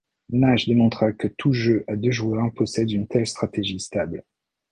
Nash démontra que tout jeu à deux joueurs possède une telle stratégie stable.